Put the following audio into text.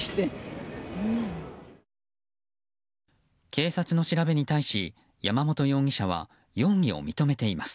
警察の調べに対し山本容疑者は容疑を認めています。